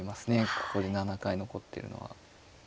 ここで７回残ってるのは。